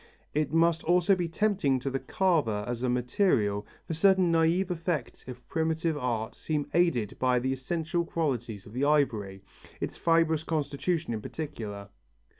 It must also be tempting to the carver as a material, for certain naïve effects of primitive art seem aided by the essential qualities of the ivory, its fibrous constitution in particular.